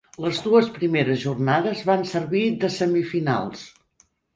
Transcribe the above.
Les dues primeres jornades van servir de semifinals.